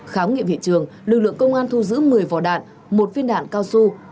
khám nghiệm hiện trường lực lượng công an thu giữ một mươi vỏ đạn một viên đạn cao su